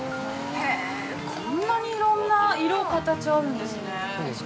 ◆へぇ、こんなにいろんな色、形、あるんですね。